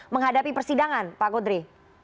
menghadapi persidangan pak kodri